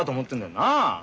なあ！？